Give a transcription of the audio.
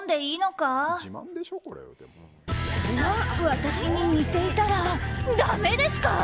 私に似ていたらだめですか？